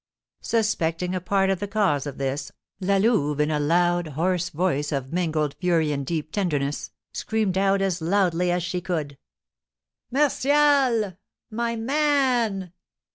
Suspecting a part of the cause of this, La Louve, in a loud, hoarse voice of mingled fury and deep tenderness, screamed out as loudly as she could: "Martial! My man!"